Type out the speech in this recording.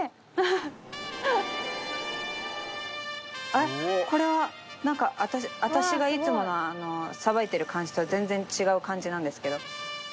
あっこれは何か私がいつものさばいてる感じと全然違う感じなんですけど。